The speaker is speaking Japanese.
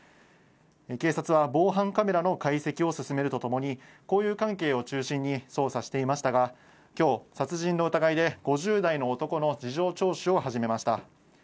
警察は防犯カメラの解析を進めるとともに、交友関係を中心に捜査していましたが、きょう、殺人の疑いで５０代の男の事情聴取を始めました。